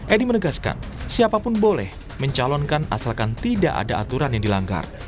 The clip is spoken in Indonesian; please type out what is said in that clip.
edi menegaskan siapapun boleh mencalonkan asalkan tidak ada aturan yang dilanggar